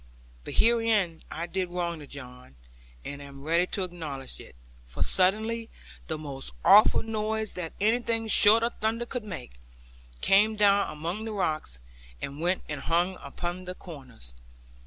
But herein I did wrong to John, and am ready to acknowledge it; for suddenly the most awful noise that anything short of thunder could make, came down among the rocks, and went and hung upon the corners.